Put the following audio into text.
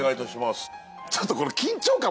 ちょっとこの。